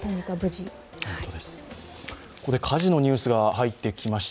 ここで火事のニュースが入ってきました。